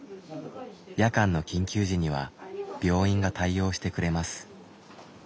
夜間の緊急時には病院が対応してくれます。